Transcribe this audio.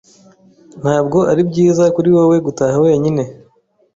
Ntabwo ari byiza kuri wowe gutaha wenyine.